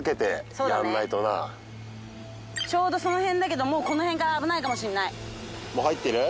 ちょうどその辺だけどもうこの辺から危ないかもしれないもう入ってる？